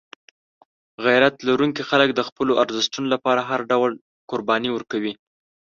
غیرت لرونکي خلک د خپلو ارزښتونو لپاره هر ډول قرباني ورکوي.